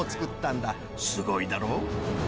すごいだろ？